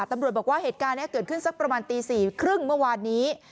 ตำรวจบอกว่าเหตุการณ์นี้เกิดขึ้นสักประมาณตี๔๓๐เมื่อวานนี้